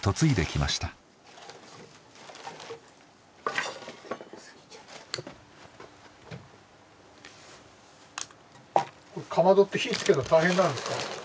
かまどって火つけるの大変なんですか？